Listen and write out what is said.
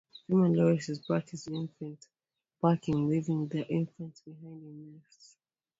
Female lorises practice infant parking, leaving their infants behind in nests.